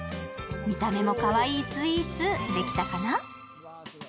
見た目もかわいいスイーツ、できたかな？